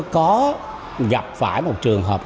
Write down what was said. có gặp phải một trường hợp